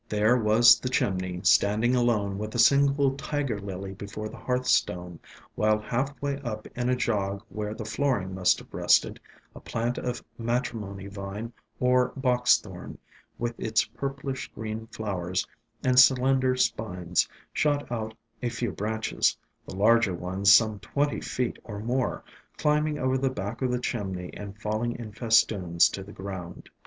There was the chimney standing alone with a single Tiger Lily before the hearthstone, while half way up in a jog where the flooring must have rested a plant of Matrimony Vine or Box Thorn, with its ESCAPED FROM GARDENS purplish green flowers and slender spines, shot out a few branches, the larger ones some twenty feet or more, climbing over the back of the chimney and falling in festoons to the ground.